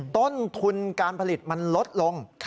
ต้นทุนการผลิตมันลดลง